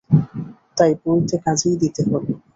তাই পইতে কাজেই দিতে হল।